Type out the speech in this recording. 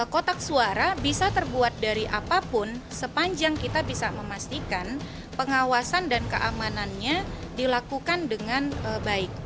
kotak suara bisa terbuat dari apapun sepanjang kita bisa memastikan pengawasan dan keamanannya dilakukan dengan baik